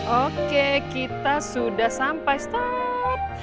oke kita sudah sampai stop